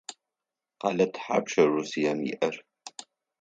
Къэлэ тхьапша Россием иӏэр?